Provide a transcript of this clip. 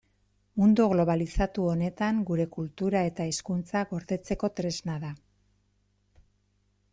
Mundu globalizatu honetan gure kultura eta hizkuntza gordetzeko tresna da.